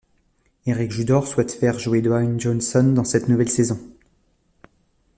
Eric Judor souhaite faire jouer Dwayne Johnson dans cette nouvelle saison.